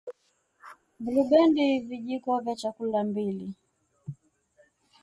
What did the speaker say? Blubendi vijiko vya chakula mbili